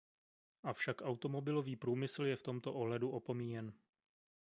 Avšak automobilový průmysl je v tomto ohledu opomíjen.